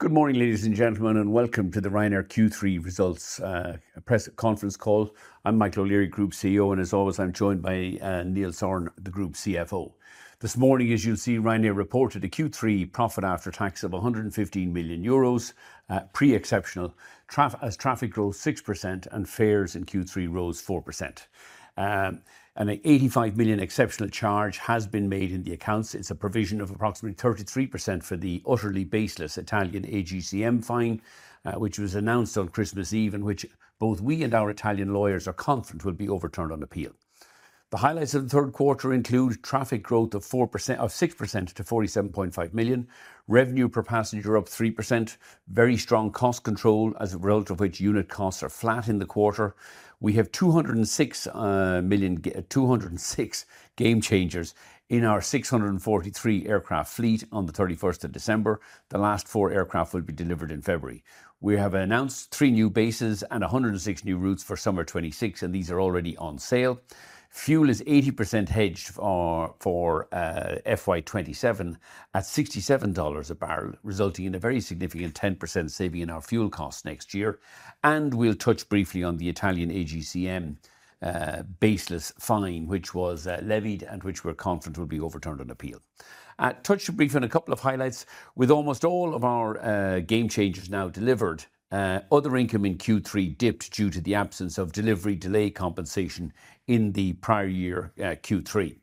Good morning, ladies and gentlemen, and welcome to the Ryanair Q3 results press conference call. I'm Michael O'Leary, Group CEO, and as always, I'm joined by, Neil Sorahan, the Group CFO. This morning, as you'll see, Ryanair reported a Q3 profit after tax of 115 million euros, pre-exceptional, as traffic grows 6%, and fares in Q3 rose 4%. An 85 million exceptional charge has been made in the accounts. It's a provision of approximately 33% for the utterly baseless Italian AGCM fine, which was announced on Christmas Eve, and which both we and our Italian lawyers are confident will be overturned on appeal. The highlights of the Q3 include traffic growth of 6% to 47.5 million. Revenue per passenger up 3%. Very strong cost control, as a result of which, unit costs are flat in the quarter. We have 206 Gamechangers in our 643-aircraft fleet on the 31st of December. The last four aircraft will be delivered in February. We have announced three new bases and 106 new routes for summer 2026, and these are already on sale. Fuel is 80% hedged for FY 2027, at $67 a barrel, resulting in a very significant 10% saving in our fuel costs next year. And we'll touch briefly on the Italian AGCM baseless fine, which was levied, and which we're confident will be overturned on appeal. Touch briefly on a couple of highlights. With almost all of our Gamechangers now delivered, other income in Q3 dipped due to the absence of delivery delay compensation in the prior year Q3.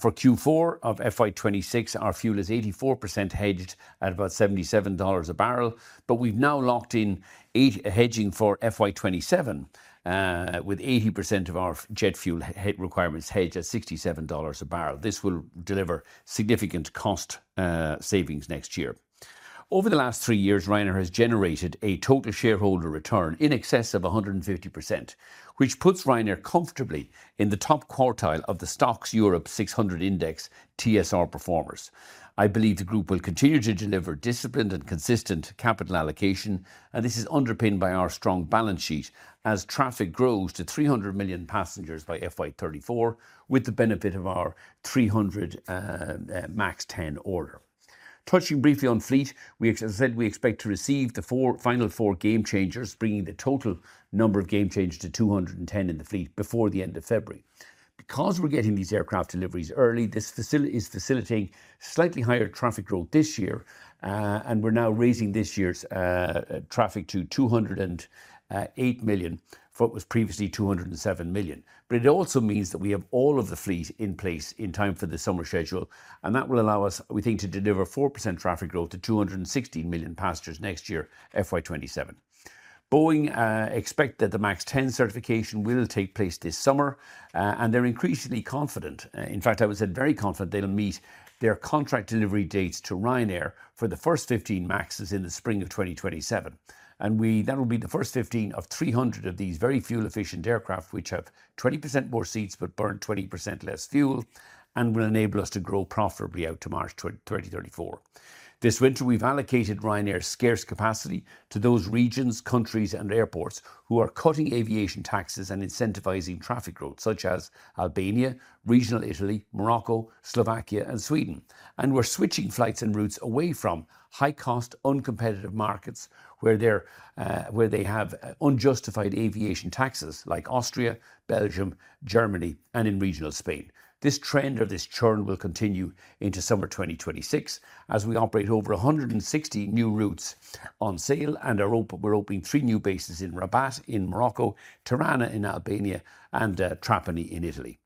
For Q4 of FY 2026, our fuel is 84% hedged at about $77 a barrel, but we've now locked in hedging for FY 2027 with 80% of our jet fuel requirements hedged at $67 a barrel. This will deliver significant cost savings next year. Over the last three years, Ryanair has generated a total shareholder return in excess of 150%, which puts Ryanair comfortably in the top quartile of the STOXX Europe 600 index TSR performers. I believe the group will continue to deliver disciplined and consistent capital allocation, and this is underpinned by our strong balance sheet, as traffic grows to 300 million passengers by FY 2034, with the benefit of our 300 MAX 10 order. Touching briefly on fleet, we, as I said, we expect to receive the final four Gamechangers, bringing the total number of Gamechangers to 210 in the fleet before the end of February. Because we're getting these aircraft deliveries early, this is facilitating slightly higher traffic growth this year, and we're now raising this year's traffic to 208 million, from what was previously 207 million. But it also means that we have all of the fleet in place in time for the summer schedule, and that will allow us, we think, to deliver 4% traffic growth to 216 million passengers next year, FY 2027. Boeing expect that the MAX 10 certification will take place this summer, and they're increasingly confident... in fact, I would say very confident, they'll meet their contract delivery dates to Ryanair for the first 15 MAXes in the spring of 2027. And that will be the first 15 of 300 of these very fuel-efficient aircraft, which have 20% more seats but burn 20% less fuel and will enable us to grow profitably out to March 2034. This winter, we've allocated Ryanair's scarce capacity to those regions, countries, and airports who are cutting aviation taxes and incentivizing traffic growth, such as Albania, regional Italy, Morocco, Slovakia, and Sweden. We're switching flights and routes away from high-cost, uncompetitive markets, where they have unjustified aviation taxes, like Austria, Belgium, Germany, and in regional Spain. This trend, or this churn, will continue into summer 2026, as we operate over 106 new routes on sale, and we're opening three new bases in Rabat, in Morocco, Tirana, in Albania, and Trapani, in Italy.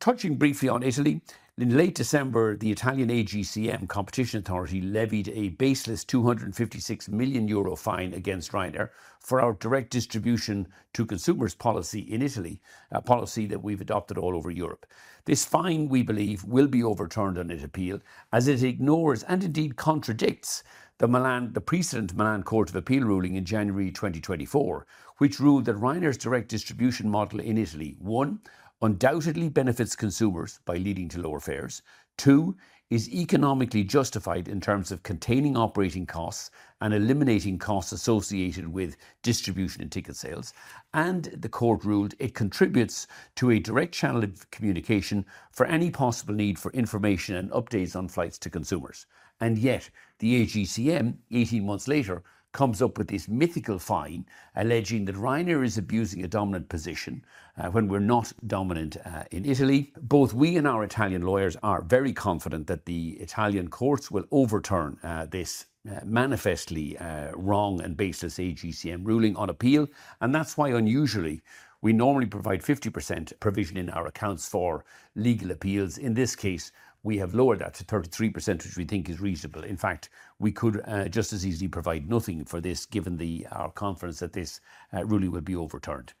Touching briefly on Italy, in late December, the Italian AGCM Competition Authority levied a baseless 256 million euro fine against Ryanair for our direct distribution to consumers policy in Italy, a policy that we've adopted all over Europe. This fine, we believe, will be overturned on its appeal, as it ignores, and indeed contradicts, the Milan, the precedent Milan Court of Appeal ruling in January 2024, which ruled that Ryanair's direct distribution model in Italy, one, undoubtedly benefits consumers by leading to lower fares. Two, is economically justified in terms of containing operating costs and eliminating costs associated with distribution and ticket sales. And the court ruled it contributes to a direct channel of communication for any possible need for information and updates on flights to consumers. And yet, the AGCM, 18 months later, comes up with this mythical fine, alleging that Ryanair is abusing a dominant position, when we're not dominant, in Italy. Both we and our Italian lawyers are very confident that the Italian courts will overturn this manifestly wrong and baseless AGCM ruling on appeal. That's why, unusually, we normally provide 50% provision in our accounts for legal appeals. In this case, we have lowered that to 33%, which we think is reasonable. In fact, we could just as easily provide nothing for this, given our confidence that this ruling will be overturned.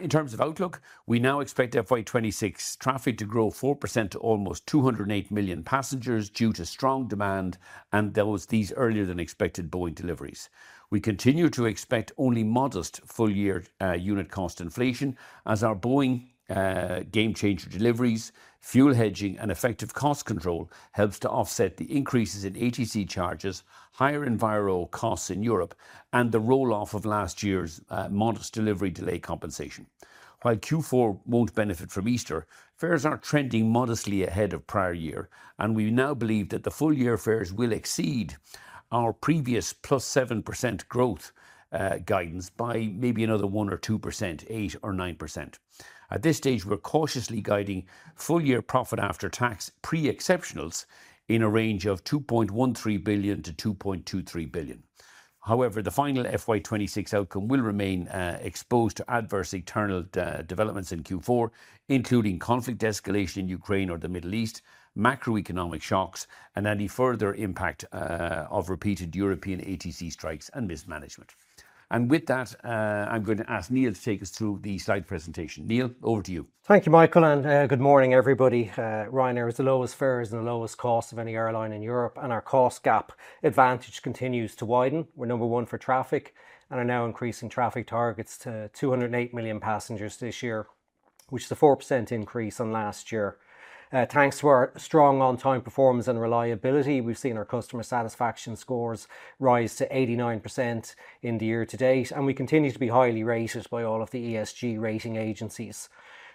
In terms of outlook, we now expect FY 2026 traffic to grow 4% to almost 208 million passengers due to strong demand and these earlier-than-expected Boeing deliveries. We continue to expect only modest full-year unit cost inflation, as our Boeing game changer deliveries, fuel hedging, and effective cost control helps to offset the increases in ATC charges, higher enviro costs in Europe, and the roll-off of last year's modest delivery delay compensation. While Q4 won't benefit from Easter, fares are trending modestly ahead of prior year, and we now believe that the full-year fares will exceed our previous plus 7% growth guidance by maybe another 1% or 2%, 8% or 9%. At this stage, we're cautiously guiding full-year profit after tax, pre-exceptionals, in a range of 2.13 billion-2.23 billion. However, the final FY 2026 outcome will remain exposed to adverse external developments in Q4, including conflict escalation in Ukraine or the Middle East, macroeconomic shocks, and any further impact of repeated European ATC strikes and mismanagement. With that, I'm going to ask Neil to take us through the slide presentation. Neil, over to you. Thank you, Michael, and, good morning, everybody. Ryanair has the lowest fares and the lowest costs of any airline in Europe, and our cost gap advantage continues to widen. We're number one for traffic and are now increasing traffic targets to 208 million passengers this year, which is a 4% increase on last year. Thanks to our strong on-time performance and reliability, we've seen our customer satisfaction scores rise to 89% in the year to date, and we continue to be highly rated by all of the ESG rating agencies.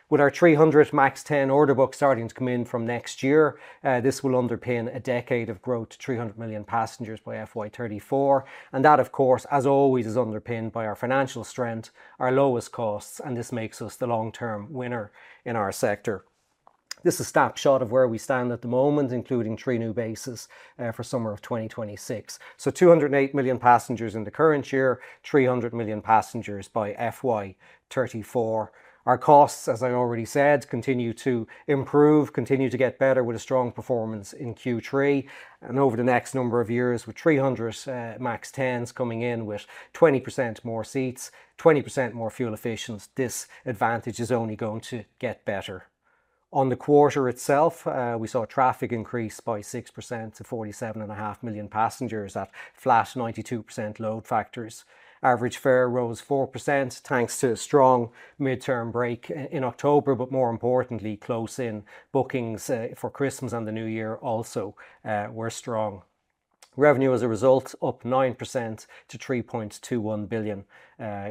With our 300 MAX 10 order book starting to come in from next year, this will underpin a decade of growth to 300 million passengers by FY 2034. And that, of course, as always, is underpinned by our financial strength, our lowest costs, and this makes us the long-term winner in our sector. This is a snapshot of where we stand at the moment, including 3 new bases for summer of 2026. So 208 million passengers in the current year, 300 million passengers by FY 2034. Our costs, as I already said, continue to improve, continue to get better with a strong performance in Q3. And over the next number of years, with 300 MAX 10s coming in with 20% more seats, 20% more fuel efficient, this advantage is only going to get better. On the quarter itself, we saw traffic increase by 6% to 47.5 million passengers at flat 92% load factors. Average fare rose 4%, thanks to a strong mid-term break in October, but more importantly, close-in bookings for Christmas and the New Year also were strong. Revenue as a result, up 9% to 3.21 billion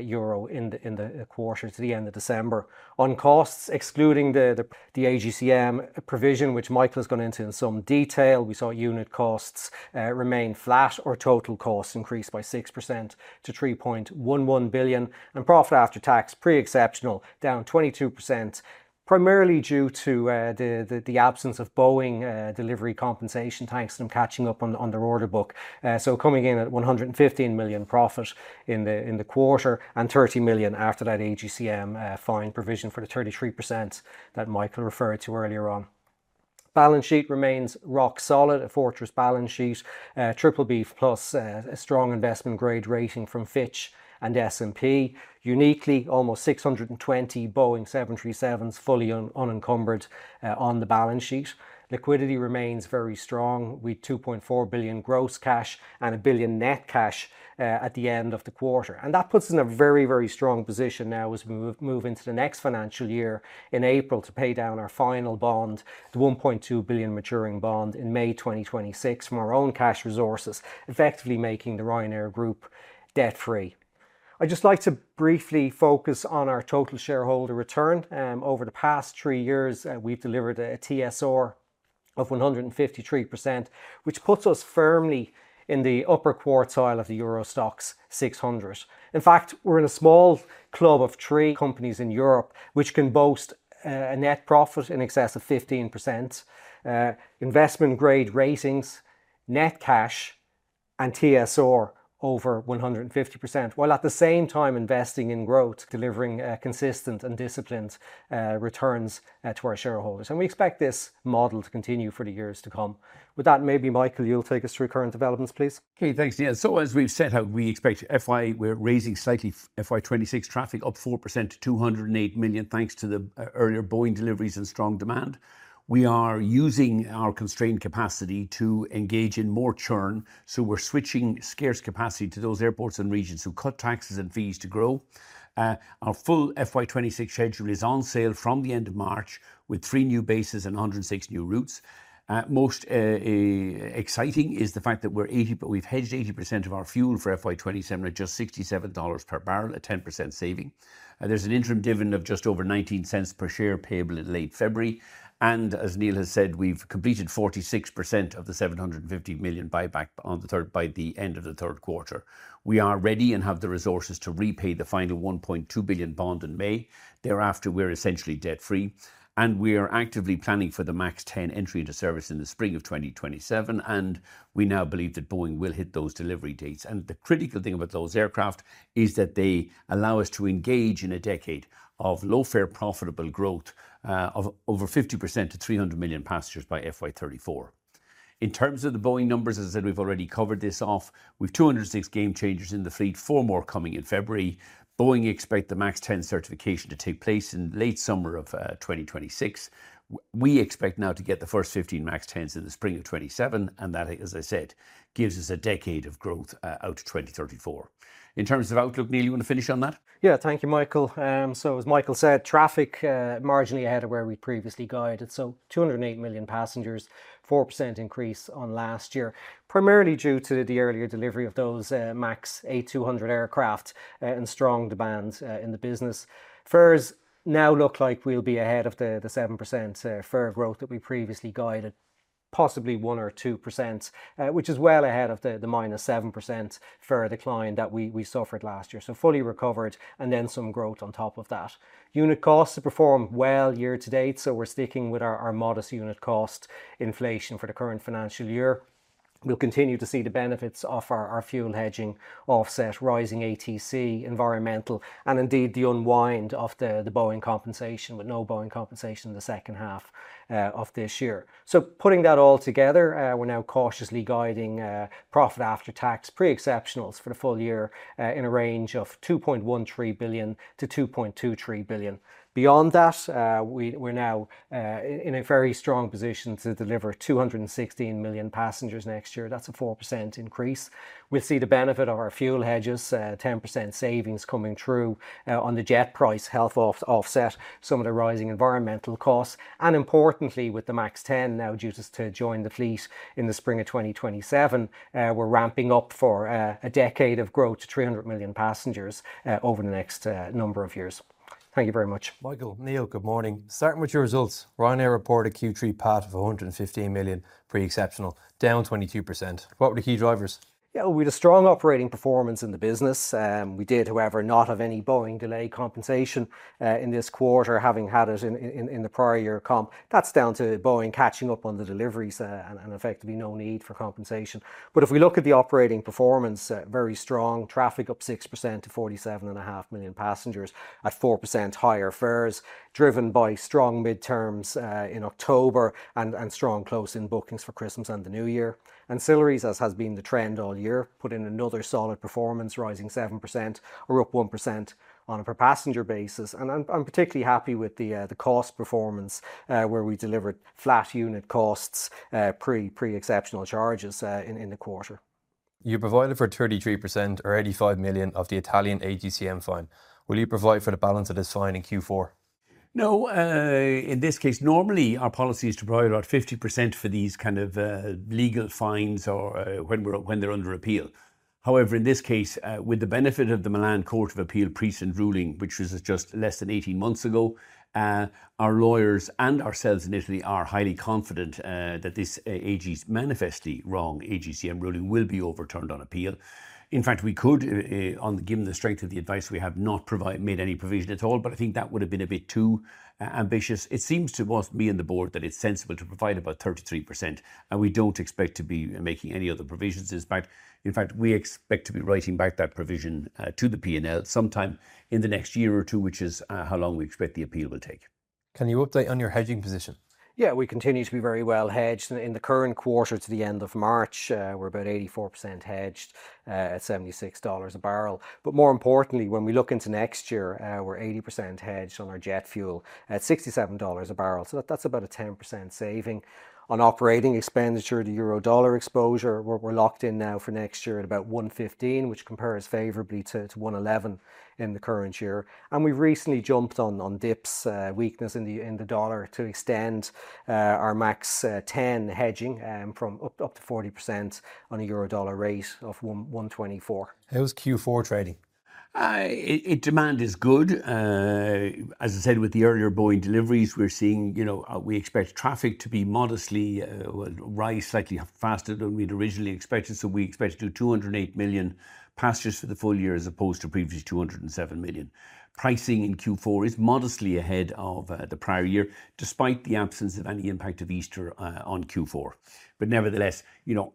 euro in the quarter to the end of December. On costs, excluding the AGCM provision, which Michael has gone into in some detail, we saw unit costs remain flat or total costs increased by 6% to 3.11 billion, and profit after tax, pre-exceptional, down 22%, primarily due to the absence of Boeing delivery compensation, thanks to them catching up on their order book. So coming in at 115 million profit in the quarter, and 30 million after that AGCM fine provision for the 33% that Michael referred to earlier on. Balance sheet remains rock solid, a fortress balance sheet, BBB+, a strong investment grade rating from Fitch and S&P. Uniquely, almost 620 Boeing 737s, fully unencumbered, on the balance sheet. Liquidity remains very strong, with 2.4 billion gross cash and 1 billion net cash, at the end of the quarter, and that puts us in a very, very strong position now as we move into the next financial year in April to pay down our final bond, the 1.2 billion maturing bond, in May 2026 from our own cash resources, effectively making the Ryanair Group debt-free. I'd just like to briefly focus on our total shareholder return. Over the past three years, we've delivered a TSR of 153%, which puts us firmly in the upper quartile of the Euro STOXX 600. In fact, we're in a small club of three companies in Europe which can boast, a net profit in excess of 15%, investment grade ratings, net cash, and TSR over 150%, while at the same time investing in growth, delivering, consistent and disciplined, returns, to our shareholders, and we expect this model to continue for the years to come. With that, maybe, Michael, you'll take us through current developments, please. Okay, thanks, Neil. So, as we've set out, we expect FY 2026. We're raising slightly FY 2026 traffic up 4% to 208 million, thanks to the earlier Boeing deliveries and strong demand. We are using our constrained capacity to engage in more churn, so we're switching scarce capacity to those airports and regions who cut taxes and fees to grow. Our full FY 2026 schedule is on sale from the end of March, with three new bases and 106 new routes. Most exciting is the fact that we've hedged 80% of our fuel for FY 2027 at just $67 per barrel, a 10% saving. There's an interim dividend of just over 0.19 per share, payable in late February, and as Neil has said, we've completed 46% of the 750 million buyback by the end of the Q3. We are ready and have the resources to repay the final 1.2 billion bond in May. Thereafter, we're essentially debt-free, and we are actively planning for the MAX 10 entry into service in the spring of 2027, and we now believe that Boeing will hit those delivery dates. The critical thing about those aircraft is that they allow us to engage in a decade of low-fare, profitable growth of over 50% to 300 million passengers by FY 2034. In terms of the Boeing numbers, as I said, we've already covered this off. We've 206 Gamechangers in the fleet, four more coming in February. Boeing expect the MAX 10 certification to take place in late summer of 2026. We expect now to get the first 15 MAX 10s in the spring of 2027, and that, as I said, gives us a decade of growth out to 2034. In terms of outlook, Neil, you want to finish on that? Yeah. Thank you, Michael. So as Michael said, traffic marginally ahead of where we previously guided, so 208 million passengers, 4% increase on last year, primarily due to the earlier delivery of those MAX 200 aircraft and strong demand in the business. Fares now look like we'll be ahead of the 7% fare growth that we previously guided, possibly 1% or 2%, which is well ahead of the -7% fare decline that we suffered last year, so fully recovered and then some growth on top of that. Unit costs have performed well year to date, so we're sticking with our modest unit cost inflation for the current financial year.... We'll continue to see the benefits of our fuel hedging offset rising ATC, environmental, and indeed, the unwind of the Boeing compensation, with no Boeing compensation in the second half of this year. So putting that all together, we're now cautiously guiding profit after tax, pre-exceptionals for the full year in a range of 2.13 billion-2.23 billion. Beyond that, we're now in a very strong position to deliver 216 million passengers next year. That's a 4% increase. We'll see the benefit of our fuel hedges, 10% savings coming through on the jet price, help offset some of the rising environmental costs. Importantly, with the MAX 10 now due to join the fleet in the spring of 2027, we're ramping up for a decade of growth to 300 million passengers over the next number of years. Thank you very much. Michael, Neil, good morning. Starting with your results, Ryanair reported a Q3 PAT of 115 million, pre-exceptional, down 22%. What were the key drivers? Yeah, well, we had a strong operating performance in the business. We did, however, not have any Boeing delay compensation in this quarter, having had it in the prior year comp. That's down to Boeing catching up on the deliveries, and effectively no need for compensation. But if we look at the operating performance, very strong. Traffic up 6% to 47.5 million passengers at 4% higher fares, driven by strong midterms in October, and strong close-in bookings for Christmas and the new year. Ancillaries, as has been the trend all year, put in another solid performance, rising 7%, or up 1% on a per passenger basis. And I'm particularly happy with the cost performance, where we delivered flat unit costs pre-exceptional charges in the quarter. You provided for 33%, or 85 million, of the Italian AGCM fine. Will you provide for the balance of this fine in Q4? No, in this case. Normally, our policy is to provide about 50% for these kind of legal fines or when they're under appeal. However, in this case, with the benefit of the Milan Court of Appeal precedent ruling, which was just less than 18 months ago, our lawyers and ourselves in Italy are highly confident that this manifestly wrong AGCM ruling will be overturned on appeal. In fact, given the strength of the advice, we have not made any provision at all, but I think that would've been a bit too ambitious. It seems to us, me and the board, that it's sensible to provide about 33%, and we don't expect to be making any other provisions. In fact, we expect to be writing back that provision to the P&L sometime in the next year or two, which is how long we expect the appeal will take. Can you update on your hedging position? Yeah, we continue to be very well hedged. In the current quarter to the end of March, we're about 84% hedged at $76 a barrel. But more importantly, when we look into next year, we're 80% hedged on our jet fuel at $67 a barrel, so that's about a 10% saving. On operating expenditure, the USD/EUR exposure, we're locked in now for next year at about 1.15, which compares favorably to 1.11 in the current year. And we've recently jumped on dips, weakness in the dollar to extend our MAX 10 hedging from up to 40% on a USD/EUR rate of 1.24. How was Q4 trading? Demand is good. As I said, with the earlier Boeing deliveries, we're seeing, you know, we expect traffic to be modestly, well, rise slightly faster than we'd originally expected. So we expect to do 208 million passengers for the full year, as opposed to previously 207 million. Pricing in Q4 is modestly ahead of the prior year, despite the absence of any impact of Easter on Q4. But nevertheless, you know,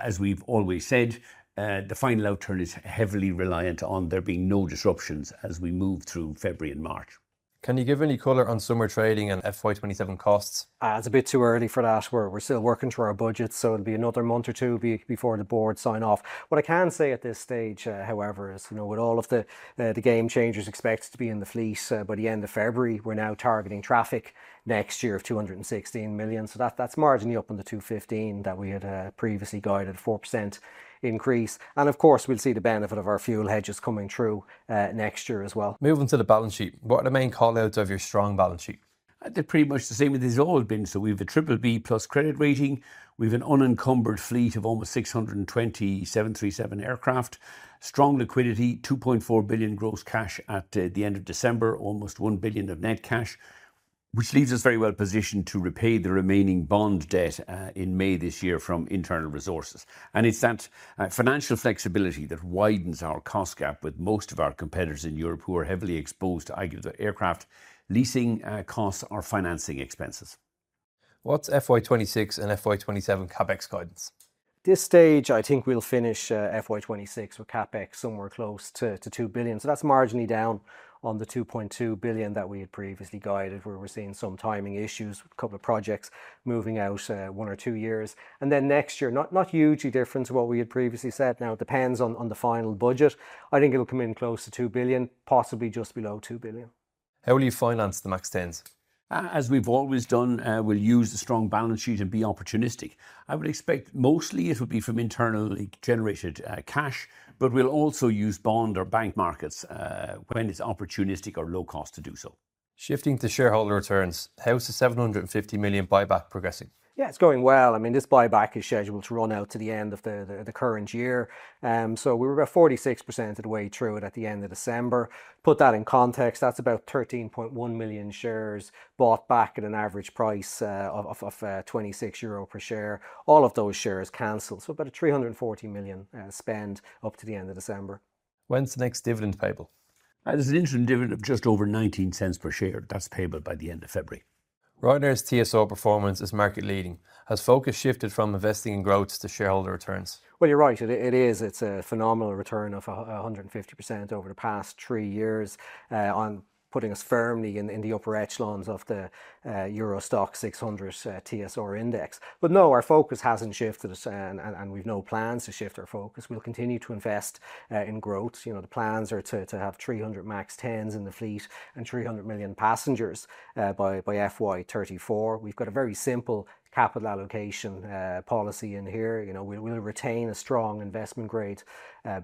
as we've always said, the final outturn is heavily reliant on there being no disruptions as we move through February and March. Can you give any color on summer trading and FY 2027 costs? It's a bit too early for that. We're still working through our budgets, so it'll be another month or two before the board sign off. What I can say at this stage, however, is, you know, with all of the Gamechangers expected to be in the fleet by the end of February, we're now targeting traffic next year of 216 million. So that's marginally up on the 215 that we had previously guided, 4% increase. And of course, we'll see the benefit of our fuel hedges coming through next year as well. Moving to the balance sheet, what are the main call-outs of your strong balance sheet? They're pretty much the same as it's always been. So we have a BBB+ credit rating. We have an unencumbered fleet of almost 620 737 aircraft. Strong liquidity, 2.4 billion gross cash at the end of December, almost 1 billion of net cash, which leaves us very well positioned to repay the remaining bond debt in May this year from internal resources. And it's that financial flexibility that widens our cost gap with most of our competitors in Europe, who are heavily exposed to either the aircraft leasing costs or financing expenses. What's FY 2026 and FY 2027 CapEx guidance? This stage, I think we'll finish FY 2026 with CapEx somewhere close to 2 billion. So that's marginally down on the 2.2 billion that we had previously guided, where we're seeing some timing issues with a couple of projects moving out one or two years. And then next year, not hugely different to what we had previously said. Now, it depends on the final budget. I think it'll come in close to 2 billion, possibly just below 2 billion. How will you finance the MAX 10s? As we've always done, we'll use the strong balance sheet and be opportunistic. I would expect mostly it will be from internally generated, cash, but we'll also use bond or bank markets, when it's opportunistic or low cost to do so. Shifting to shareholder returns, how is the 750 million buyback progressing? Yeah, it's going well. I mean, this buyback is scheduled to run out to the end of the current year. So we're about 46% of the way through it at the end of December. Put that in context, that's about 13.1 million shares bought back at an average price of 26 euro per share. All of those shares canceled, so about a 340 million spend up to the end of December. When's the next dividend payable? There's an interim dividend of just over 0.19 per share. That's payable by the end of February. ... Ryanair's TSR performance is market leading. Has focus shifted from investing in growth to shareholder returns? Well, you're right, it is. It's a phenomenal return of 150% over the past three years on putting us firmly in the upper echelons of the Euro STOXX 600 TSR Index. But no, our focus hasn't shifted, and we've no plans to shift our focus. We'll continue to invest in growth. You know, the plans are to have 300 MAX 10s in the fleet and 300 million passengers by FY 2034. We've got a very simple capital allocation policy in here. You know, we'll retain a strong investment grade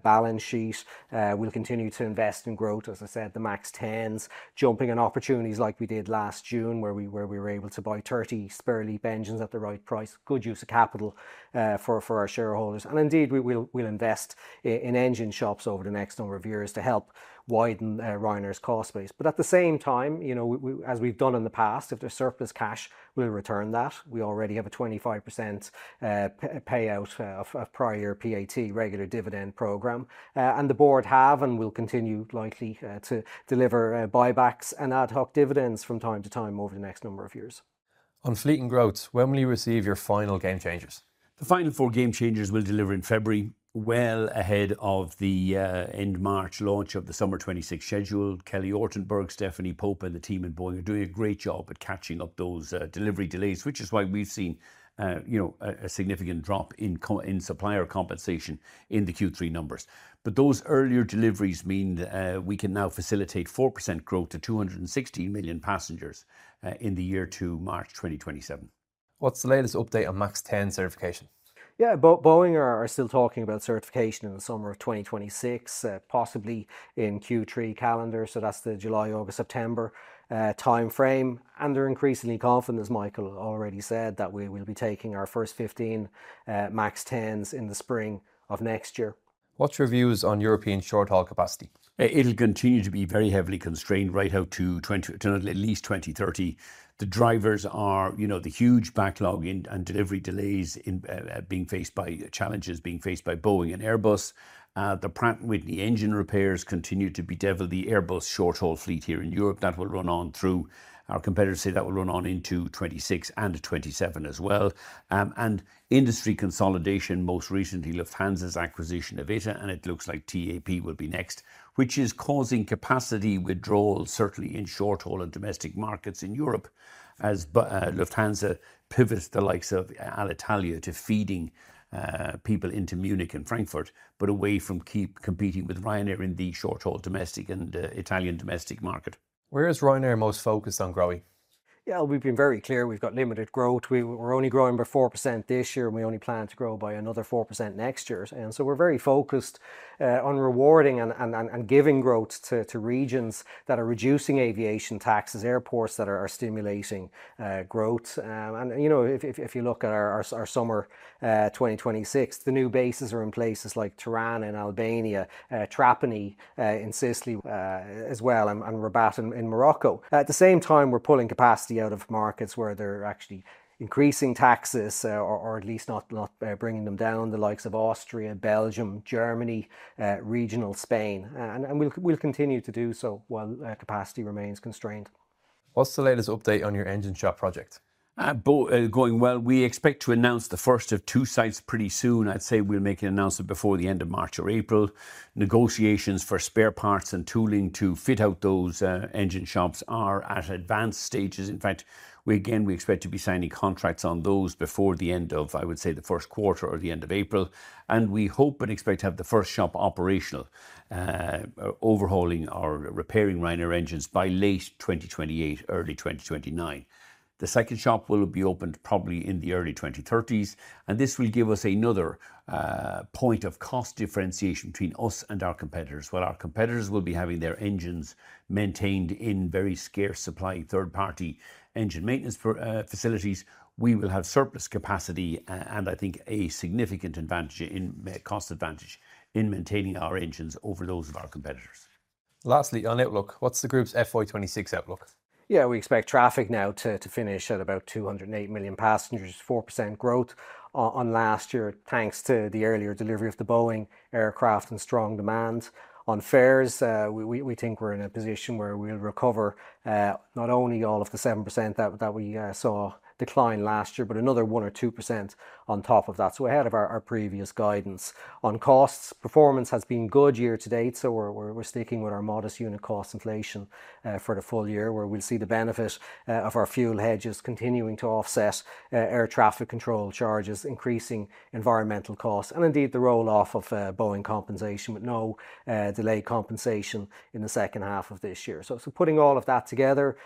balance sheet. We'll continue to invest in growth, as I said, the MAX 10s, jumping on opportunities like we did last June, where we were able to buy 30 spare LEAP engines at the right price. Good use of capital for our shareholders. And indeed, we'll invest in engine shops over the next number of years to help widen Ryanair's cost base. But at the same time, you know, as we've done in the past, if there's surplus cash, we'll return that. We already have a 25% payout of prior PAT regular dividend program. And the board have and will continue likely to deliver buybacks and ad hoc dividends from time to time over the next number of years. On fleet and growth, when will you receive your final Gamechangers? The final four Gamechangers we'll deliver in February, well ahead of the end March launch of the Summer 2026 schedule. Kelly Ortberg, Stephanie Pope, and the team in Boeing are doing a great job at catching up those delivery delays, which is why we've seen, you know, a significant drop in supplier compensation in the Q3 numbers. But those earlier deliveries mean that we can now facilitate 4% growth to 260 million passengers in the year to March 2027. What's the latest update on MAX 10 certification? Yeah, Boeing are still talking about certification in the summer of 2026, possibly in Q3 calendar, so that's the July, August, September timeframe. And they're increasingly confident, as Michael already said, that we will be taking our first 15 MAX 10s in the spring of next year. What's your views on European short-haul capacity? It'll continue to be very heavily constrained right out to at least 2030. The drivers are, you know, the huge backlog and delivery delays and challenges being faced by Boeing and Airbus. The Pratt & Whitney engine repairs continue to bedevil the Airbus short-haul fleet here in Europe. That will run on through. Our competitors say that will run on into 2026 and 2027 as well. And industry consolidation, most recently, Lufthansa's acquisition of ITA, and it looks like TAP will be next, which is causing capacity withdrawals, certainly in short-haul and domestic markets in Europe, as Lufthansa pivots the likes of Alitalia to feeding people into Munich and Frankfurt, but away from keep competing with Ryanair in the short-haul domestic and Italian domestic market. Where is Ryanair most focused on growing? Yeah, we've been very clear. We've got limited growth. We're only growing by 4% this year, and we only plan to grow by another 4% next year. And so we're very focused on rewarding and giving growth to regions that are reducing aviation taxes, airports that are stimulating growth. And, you know, if you look at our summer 2026, the new bases are in places like Tirana in Albania, Trapani in Sicily as well and Rabat in Morocco. At the same time, we're pulling capacity out of markets where they're actually increasing taxes or at least not bringing them down, the likes of Austria, Belgium, Germany, regional Spain. And we'll continue to do so while capacity remains constrained. What's the latest update on your engine shop project? Going well. We expect to announce the first of 2 sites pretty soon. I'd say we'll make an announcement before the end of March or April. Negotiations for spare parts and tooling to fit out those engine shops are at advanced stages. In fact, we again, we expect to be signing contracts on those before the end of, I would say, the Q1 or the end of April. And we hope and expect to have the first shop operational, overhauling or repairing Ryanair engines by late 2028, early 2029. The second shop will be opened probably in the early 2030s, and this will give us another point of cost differentiation between us and our competitors. While our competitors will be having their engines maintained in very scarce supply, third-party engine maintenance for facilities, we will have surplus capacity and, I think, a significant advantage in cost advantage in maintaining our engines over those of our competitors. Lastly, on outlook, what's the group's FY 2026 outlook? Yeah, we expect traffic now to finish at about 208 million passengers, 4% growth on last year, thanks to the earlier delivery of the Boeing aircraft and strong demand. On fares, we think we're in a position where we'll recover not only all of the 7% that we saw decline last year, but another 1% or 2% on top of that, so ahead of our previous guidance. On costs, performance has been good year to date, so we're sticking with our modest unit cost inflation for the full year, where we'll see the benefit of our fuel hedges continuing to offset air traffic control charges, increasing environmental costs, and indeed, the roll-off of Boeing compensation, but no delay compensation in the second half of this year. So putting all of that together,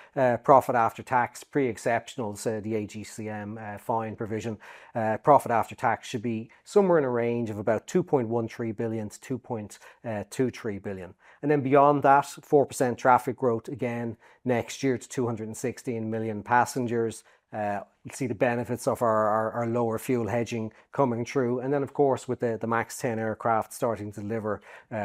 profit after tax, pre-exceptional, so the AGCM fine provision, profit after tax should be somewhere in a range of about 2.13 billion-2.23 billion. And then beyond that, 4% traffic growth again next year to 216 million passengers. You'll see the benefits of our lower fuel hedging coming through, and then, of course, with the MAX 10 aircraft starting to deliver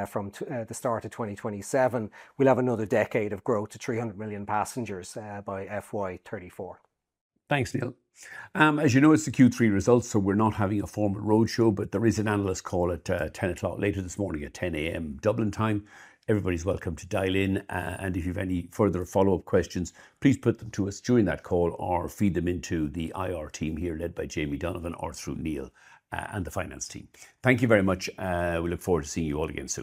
from the start of 2027, we'll have another decade of growth to 300 million passengers by FY 2034. Thanks, Neil. As you know, it's the Q3 results, so we're not having a formal roadshow, but there is an analyst call at 10 o'clock later this morning, at 10:00 A.M. Dublin time. Everybody's welcome to dial in, and if you've any further follow-up questions, please put them to us during that call or feed them into the IR team here, led by Jamie Donovan, or through Neil, and the finance team. Thank you very much. We look forward to seeing you all again soon.